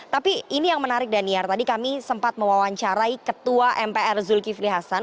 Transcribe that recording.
tapi ini yang menarik daniar tadi kami sempat mewawancarai ketua mpr zulkifli hasan